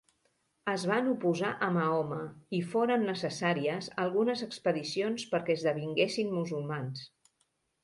Es van oposar a Mahoma, i foren necessàries algunes expedicions perquè esdevinguessin musulmans.